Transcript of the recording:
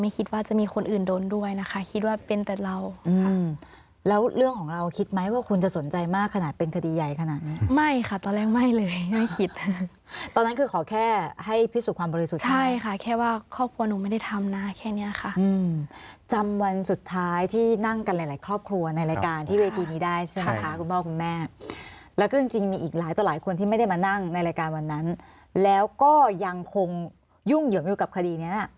คิดไหมว่าคุณจะสนใจมากขนาดเป็นคดีใหญ่ขนาดนี้ไม่ค่ะตอนแรกไม่เลยไม่คิดตอนนั้นคือขอแค่ให้พิสูจน์ความบริสุทธิ์ใช่ค่ะแค่ว่าครอบครัวหนูไม่ได้ทำนะแค่นี้ค่ะจำวันสุดท้ายที่นั่งกันหลายครอบครัวในรายการที่เวทีนี้ได้ใช่ไหมคะคุณพ่อคุณแม่แล้วก็จริงมีอีกหลายตัวหลายคนที่ไม่ได้มานั่งใน